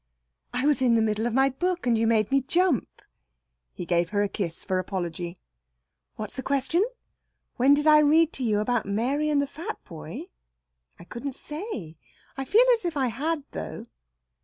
"I was in the middle of my book, and you made me jump." He gave her a kiss for apology. "What's the question? When did I read to you about Mary and the fat boy? I couldn't say. I feel as if I had, though."